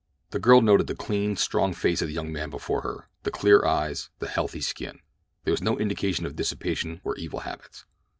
The girl noted the clean, strong face of the young man before her, the clear eyes, and healthy skin. There was no indication of dissipation or evil habits.